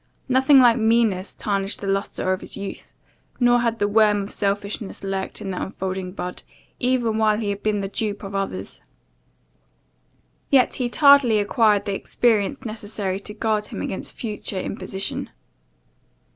Nothing like meanness tarnished the lustre of his youth, nor had the worm of selfishness lurked in the unfolding bud, even while he had been the dupe of others. Yet he tardily acquired the experience necessary to guard him against future imposition.